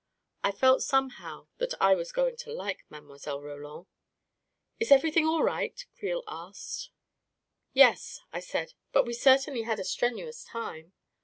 I felt somehow that I was going to like Mile. Roland ! 41 Is everything all right? " Creel asked. 44 Yes," I said; 44 but we certainly had a strenuous time."